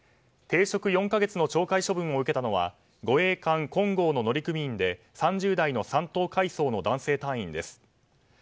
停職４か月の懲戒処分を受けたのは護衛艦「こんごう」の乗組員で３０代の３等海曹の男性隊員です。